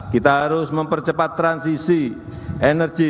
kita harus mempercepat transisi energi